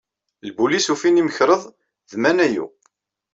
Lbulis ufin imekreḍ d manayu.